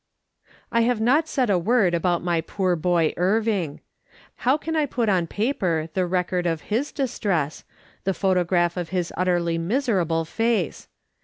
I have not said a word about my poor boy Irving. How can I put on paper the record of his distress, the photograph of his utterly miserable face